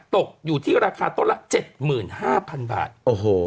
ตกอยู่ที่ราคาต้นละ๗๕๐๐๐บาท